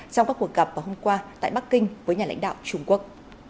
trong các cuộc gặp vào hôm qua tại bắc kinh với nhà lãnh đạo trung quốc